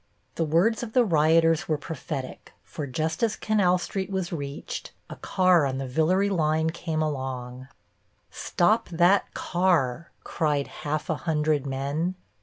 The words of the rioters were prophetic, for just as Canal Street was reached a car on the Villere line came along. "Stop that car!" cried half a hundred men.